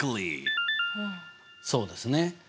そうですね。